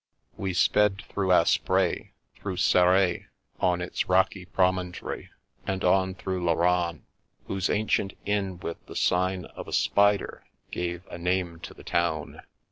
We sped through Aspres ; through Serres, on its rocky promontory; and on through Laragne, whose ancient inn with the sign of a spider gave a name to the town.